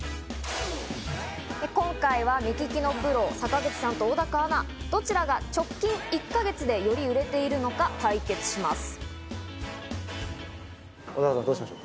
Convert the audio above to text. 今回は目利きのプロ・坂口さんと、小高アナ、どちらが直近１か月でより売れているのか対決します。